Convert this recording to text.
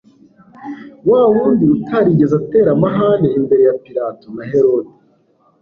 wa wundi utarigeze atera amahane imbere ya Pilato na Herode,